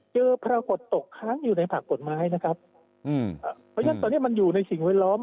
เจอพรากอดตกค้างอยู่ในผักผลไม้นะครับเพราะฉะนั้นตอนนี้มันอยู่ในสิ่งวัยล้อม